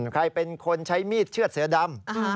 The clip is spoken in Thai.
ใครเป็นคนใช้มีดเชื่อดเสือดำ